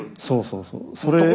そうそうそう。